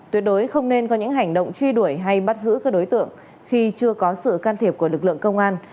tuyệt đối không nên có những hành động truy đuổi hay bắt giữ các đối tượng khi chưa có sự can thiệp của lực lượng công an